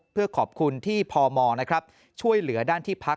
เพื่อขอบคุณที่พมช่วยเหลือด้านที่พัก